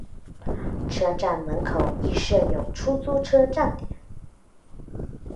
车站门口亦设有出租车站点。